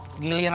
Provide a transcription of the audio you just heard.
tidaklah g kard